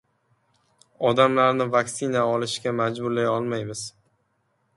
Odamlarni vaksina olishga majburlay olmaymiz-Lukashenko